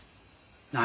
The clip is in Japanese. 何！？